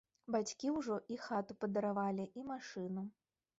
Бацькі ўжо і хату падаравалі і машыну.